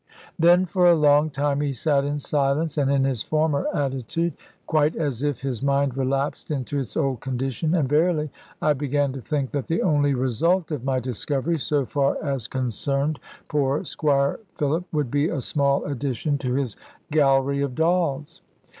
Then for a long time he sate in silence, and in his former attitude, quite as if his mind relapsed into its old condition: and verily I began to think that the only result of my discovery, so far as concerned poor Squire Philip, would be a small addition to his gallery of dolls.